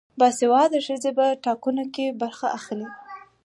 باسواده ښځې په ټاکنو کې برخه اخلي.